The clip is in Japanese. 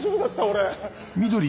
俺。